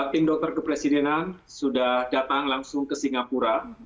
tim dokter kepresidenan sudah datang langsung ke singapura